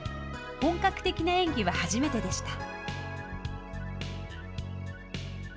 本格的な演技は初めてでした。